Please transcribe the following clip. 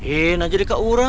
eh ngeri ngeri kak urah